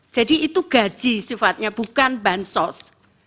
jadi itu gaji sifatnya bukan bahan sos